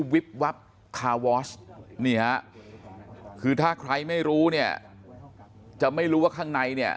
วิบวับจริง